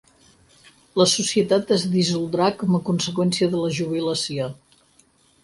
La societat es dissoldrà com a conseqüència de la jubilació.